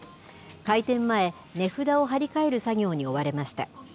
開店前、値札を貼り替える作業に追われました。